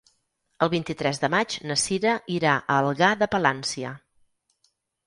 El vint-i-tres de maig na Cira irà a Algar de Palància.